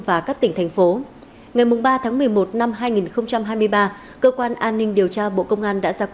và các tỉnh thành phố ngày ba tháng một mươi một năm hai nghìn hai mươi ba cơ quan an ninh điều tra bộ công an đã ra quyết